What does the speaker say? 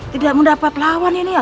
tidak mendapat lawan ini